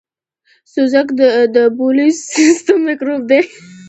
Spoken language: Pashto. سوزک دبولي سیستم میکروب دی .